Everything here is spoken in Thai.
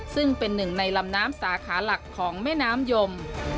ซึ่งเป็นหนึ่งในลำน้ำสาขาหลักของแม่น้ำยม